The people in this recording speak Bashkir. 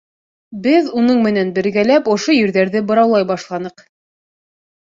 Беҙ, уның менән бергәләп, ошо ерҙәрҙе быраулай башланыҡ.